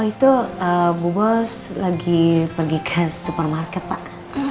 itu bu bos lagi pergi ke supermarket pak